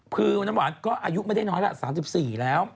คือน้ำหวานก็อายุไม่ได้น้อยละ๓๔แล้ว